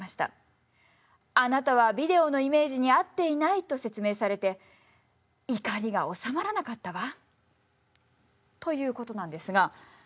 あなたはビデオのイメージに合っていないと説明されて怒りが収まらなかったわということなんですがシホかいせついん。